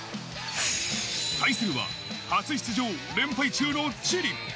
対するは初出場、連敗中のチリ。